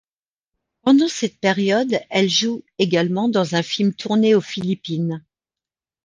Pendant cette période, elle joue également dans un film tourné aux Philippines.